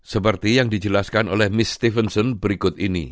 seperti yang dijelaskan oleh miss stevenson berikut ini